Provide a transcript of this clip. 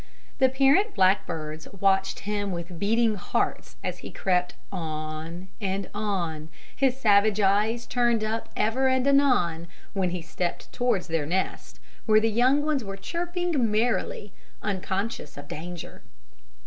The parent blackbirds watched him with beating hearts as he crept on and on, his savage eyes turned up ever and anon when he stepped towards their nest, where their young ones were chirping merrily, unconscious of danger.